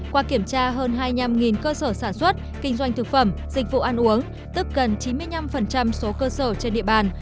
qua kiểm tra hơn hai mươi năm cơ sở sản xuất kinh doanh thực phẩm dịch vụ ăn uống tức gần chín mươi năm số cơ sở trên địa bàn